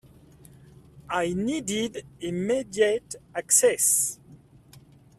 I needed immediate access.